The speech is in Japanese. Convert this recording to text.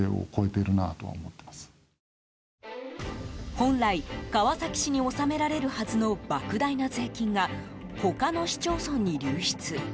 本来、川崎市に納められるはずの莫大な税金が他の市町村に流出。